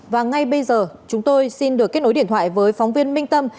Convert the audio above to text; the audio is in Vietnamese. và ngay bây giờ chúng tôi xin được kết nối điện thoại với phóng viên minh tâm